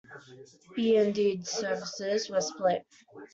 B and D services were split.